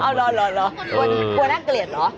หัวหน้าเกลียดเหรอ